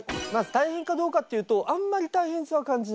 大変かどうかっていうとあんまり大変さは感じない。